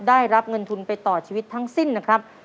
ได้รับเงินทุนไปต่อชีวิตทั้งสิ้นนะครับ